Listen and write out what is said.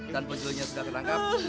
dan pencuri sudah terangkap